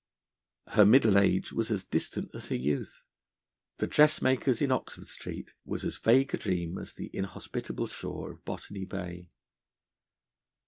Her middle age was as distant as her youth. The dressmaker's in Oxford Street was as vague a dream as the inhospitable shore of Botany Bay.